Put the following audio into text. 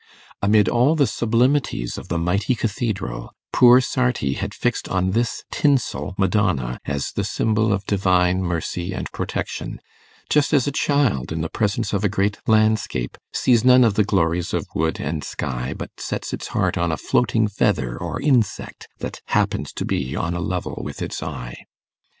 Amid all the sublimities of the mighty cathedral, poor Sarti had fixed on this tinsel Madonna as the symbol of divine mercy and protection, just as a child, in the presence of a great landscape, sees none of the glories of wood and sky, but sets its heart on a floating feather or insect that happens to be on a level with its eye.